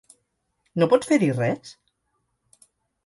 No pots fer-hi res?